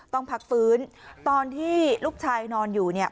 ต้องพักฟื้นตอนที่ลูกชายนอนอยู่เนี่ย